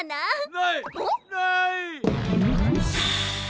・ないない！